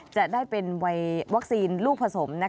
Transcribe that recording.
จะได้เป็นวัคซีนลูกผสม